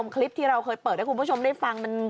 คลิปที่เราเคยเปิดให้คุณผู้ชมได้ฟัง